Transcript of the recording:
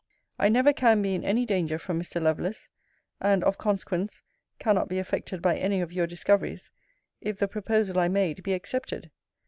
I never can be in any danger from Mr. Lovelace, (and, of consequence, cannot be affected by any of your discoveries,) if the proposal I made be accepted.